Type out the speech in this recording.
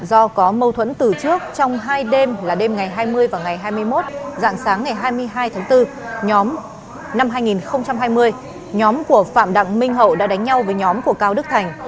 do có mâu thuẫn từ trước trong hai đêm là đêm ngày hai mươi và ngày hai mươi một dạng sáng ngày hai mươi hai tháng bốn năm hai nghìn hai mươi nhóm của phạm đặng minh hậu đã đánh nhau với nhóm của cao đức thành